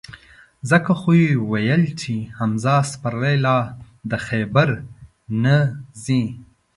ځکه خو یې ویل چې: حمزه سپرلی لا د خیبره نه ځي.